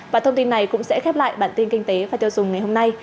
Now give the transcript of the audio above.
và thông tin này cũng sẽ khép lại bản tin kinh tế và tiêu dùng ngày hôm nay